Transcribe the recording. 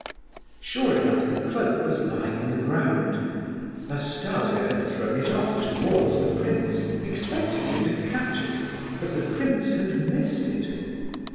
Sure enough the cloak was lying on the ground. Nastasia had thrown it off her towards the prince, expecting him to catch it, but the prince had missed it.